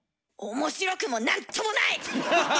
面白くもなんともない！